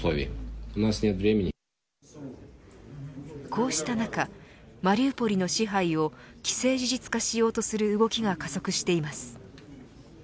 こうした中マリウポリの支配を既成事実化しようとする動きが加速しています。